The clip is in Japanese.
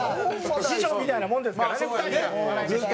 師匠みたいなもんですからね２人が。